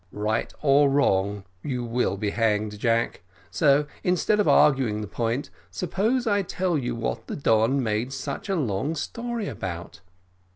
"Right or wrong, you will be hanged, Jack; so instead of arguing the point, suppose I tell you what the Don made such a long story about."